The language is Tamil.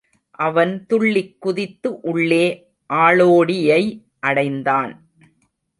அவன் துள்ளிக் குதித்து உள்ளே ஆளோடியை அடைந்தான்.